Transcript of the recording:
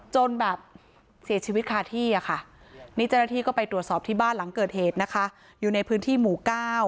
จนแบบเสียชีวิตคลาที่ครับนิจนาทีก็ไปตรวจสอบที่บ้านหลังเกิดเหตุนะคะ